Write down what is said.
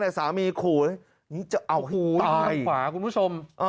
แต่สามีขู่นี่จะเอาให้ตาย